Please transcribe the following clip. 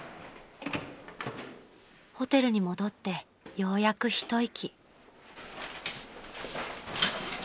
［ホテルに戻ってようやく一息］